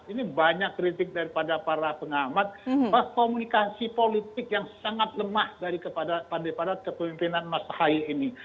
ini banyak kritik daripada para pengamat bahwa komunikasi politik yang sangat lemah daripada kepemimpinan masahaye ini